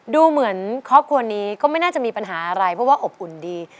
ดูเหมือนครอบครัวนี้ก็ไม่น่าจะมีปัญหาอะไรเพราะว่าอบอุ่นดี